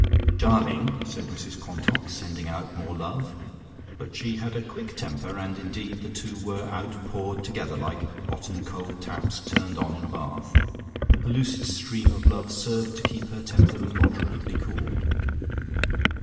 "Darling!" said Mrs Quantock, sending out more love. But she had a quick temper, and indeed the two were outpoured together, like hot and cold taps turned on in a bath. The pellucid stream of love served to keep her temper moderately cool.